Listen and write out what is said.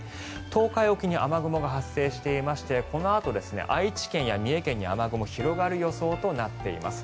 東海沖に雨雲が発生していましてこのあと愛知県や三重県に雨雲が広がる予想となっています。